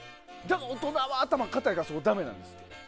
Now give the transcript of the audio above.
大人は頭が固いからだめなんですよ。